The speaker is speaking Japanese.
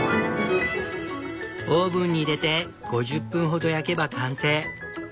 オーブンに入れて５０分ほど焼けば完成。